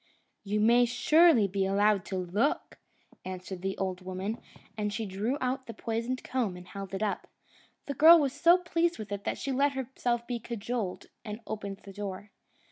"You may surely be allowed to look!" answered the old woman, and she drew out the poisoned comb and held it up. The girl was so pleased with it that she let herself be cajoled, and opened the door.